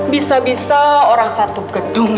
bisa bisa orang satu gedung